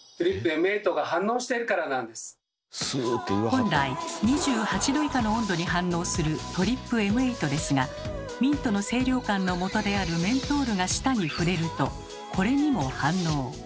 本来２８℃以下の温度に反応するＴＲＰＭ８ですがミントの清涼感のもとであるメントールが舌に触れるとこれにも反応。